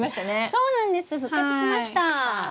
そうなんです復活しました。